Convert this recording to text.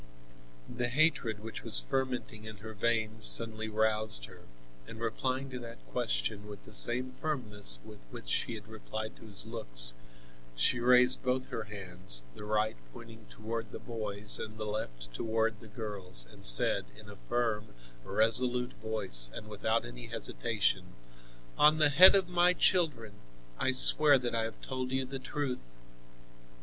The hatred which was fermenting in her veins suddenly roused her, and replying to that question with the same firmness with which she had replied to his looks, she raised both her hands, the right pointing toward the boys and the left toward the girls, and said in a firm, resolute voice and without any hesitation: "On the head of my children, I swear that I have told you the truth."